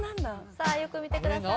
さあよく見てください